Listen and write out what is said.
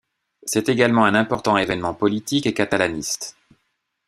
C'est également un important évènement politique et catalaniste.